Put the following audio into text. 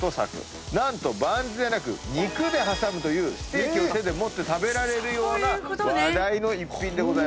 何とバンズではなく肉で挟むというステーキを手で持って食べられるような話題の一品。